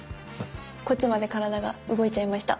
こっちまで体が動いちゃいました。